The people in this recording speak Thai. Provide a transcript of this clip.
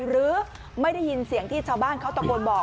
หรือไม่ได้ยินเสียงที่ชาวบ้านเขาตะโกนบอก